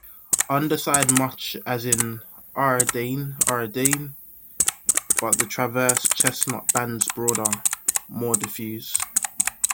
Underside much as in "Ariadne ariadne", but the transverse chestnut bands broader, more diffuse.